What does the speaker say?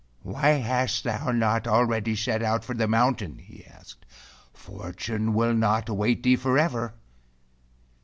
"Why hast thou not already set out for the mountain ?" he asked. "Fortune will not await thee forever."